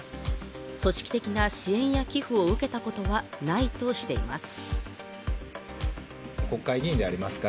組織的な支援や寄付を受けたことはないとしています。